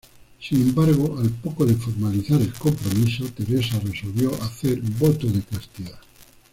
Sin embargo, al poco de formalizar el compromiso, Teresa resolvió hacer voto de castidad.